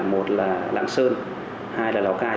một là làng sơn hai là lào cai